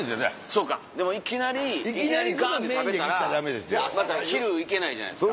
そうかでもいきなりガンって食べたら昼いけないじゃないですか。